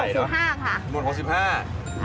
หนวด๖๕กิโลกรัมค่ะนวด๖๕กิโลกรัมค่ะ